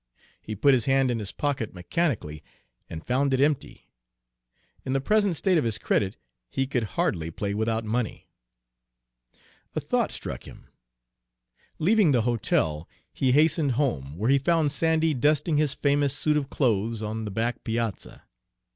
He put his hand in his pocket mechanically, and found it empty! In the present state of his credit, he could hardly play without money. A thought struck him. Leaving the hotel, he hastened home, where he found Sandy dusting his famous suit of clothes on the back piazza.